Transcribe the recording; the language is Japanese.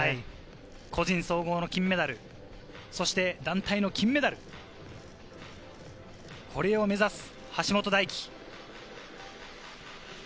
個人総合の金メダル、そして団体の金メダル、これを目指す橋本大輝。